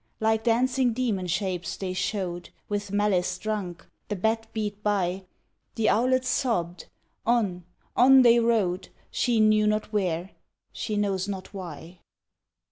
Like dancing demon shapes they showed, With malice drunk; the bat beat by, The owlet sobbed; on, on they rode, She knew not where, she knows not why.